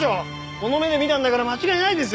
この目で見たんだから間違いないですよ。